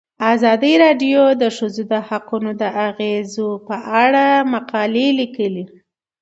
ازادي راډیو د د ښځو حقونه د اغیزو په اړه مقالو لیکلي.